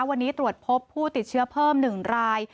วันนี้ตรวจพบผู้ติดเชื้อเพิ่ม๑ราย